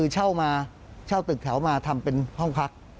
เช่ามาเช่าตึกแถวมาทำเป็นห้องพัก